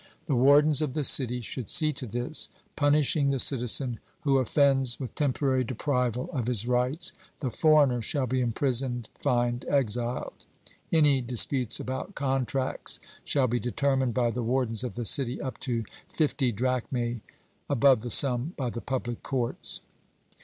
The wardens of the city should see to this, punishing the citizen who offends with temporary deprival of his rights the foreigner shall be imprisoned, fined, exiled. Any disputes about contracts shall be determined by the wardens of the city up to fifty drachmae above that sum by the public courts.